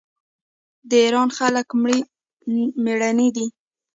د ایران خلک میړني دي.